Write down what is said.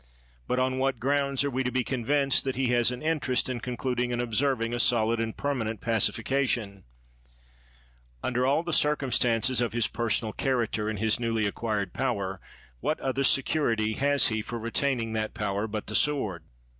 But on what grounds are we to be convinced that he has an interest in concluding and observing a solid and permanent pacifica 19 THE WORLD'S FAMOUS ORATIONS tion? Under all the circumstances of his per sonal character, and his newly acquired power, what other security has he for retaining that power but the sword